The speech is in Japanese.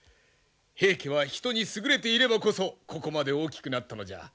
平家は人に優れていればこそここまで大きくなったのじゃ。